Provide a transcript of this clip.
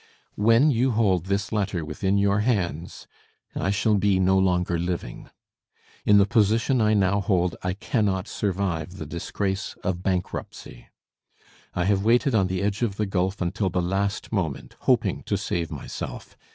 When you hold this letter within your hands I shall be no longer living. In the position I now hold I cannot survive the disgrace of bankruptcy. I have waited on the edge of the gulf until the last moment, hoping to save myself.